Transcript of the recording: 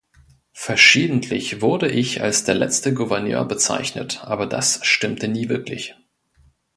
Verschiedentlich wurde ich als der letzte Gouverneur bezeichnet, aber das stimmte nie wirklich.